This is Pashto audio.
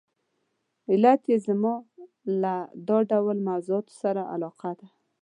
علت یې زما له دا ډول موضوعاتو سره علاقه ده.